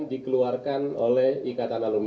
dikeluarkan oleh ikatan alun